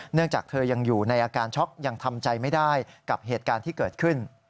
จากเธอยังอยู่ในอาการช็อกยังทำใจไม่ได้กับเหตุการณ์ที่เกิดขึ้น